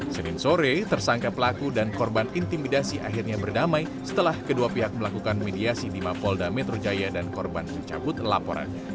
senin sore tersangka pelaku dan korban intimidasi akhirnya berdamai setelah kedua pihak melakukan mediasi di mapolda metro jaya dan korban dicabut laporan